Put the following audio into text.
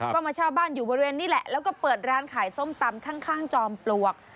ก็มาเช่าบ้านอยู่บริเวณนี้แหละแล้วก็เปิดร้านขายส้มตำข้างจอมปลวก